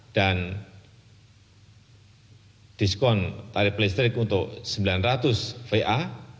dan diskon tarif playstrik untuk rp sembilan ratus va